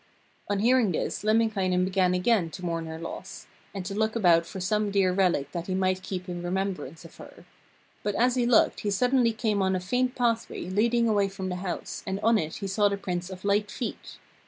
On hearing this Lemminkainen began again to mourn her loss, and to look about for some dear relic that he might keep in remembrance of her. But as he looked he suddenly came on a faint pathway leading away from the house, and on it he saw the prints of light feet.